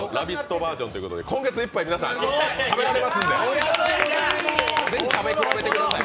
バージョンということで今月いっぱい、皆さん食べられますんでぜひ食べ比べてください。